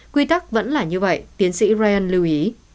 quy tắc vẫn là như vậy tiến sĩ realand lưu ý